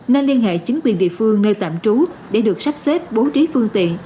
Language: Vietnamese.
nên liên hệ chính quyền địa phương nơi tạm trú để được sắp xếp bố trí phương tiện